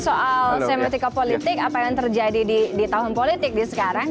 soal semiotika politik apa yang terjadi di tahun politik di sekarang